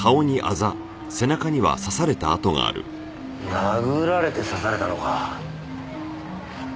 殴られて刺されたのか。